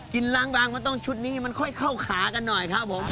กลางมันต้องชุดนี้มันค่อยเข้าขากันหน่อยครับผม